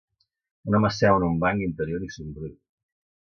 Un home seu en un banc interior i somriu.